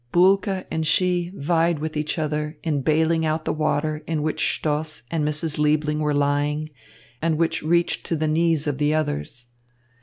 Bulke and she vied with each other in bailing out the water in which Stoss and Mrs. Liebling were lying and which reached to the knees of the others.